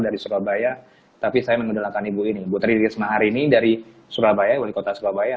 dari surabaya tapi saya mengundangkan ibu ini bu trilis nahari ini dari surabaya dari kota surabaya